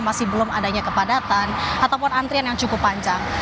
masih belum adanya kepadatan ataupun antrian yang cukup panjang